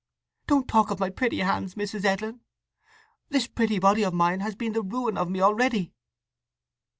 "Don't talk of my pretty hands, Mrs. Edlin. This pretty body of mine has been the ruin of me already!"